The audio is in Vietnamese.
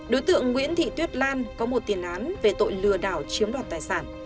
đối tượng nguyễn thị tuyết lan có một tiền án về tội lừa đảo chiếm đoạt tài sản